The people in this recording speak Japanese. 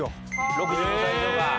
６５歳以上が？